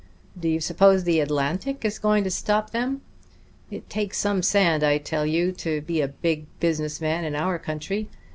Do you suppose the Atlantic is going to stop them?... It takes some sand, I tell you, to be a big business man in our country.